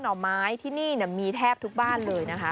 ห่อไม้ที่นี่มีแทบทุกบ้านเลยนะคะ